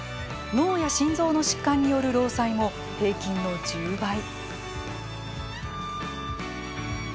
脳や心臓の疾患による労災も平均の１０倍。